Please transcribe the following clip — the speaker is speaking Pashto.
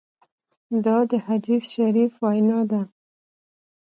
دا د حدیث شریف وینا ده.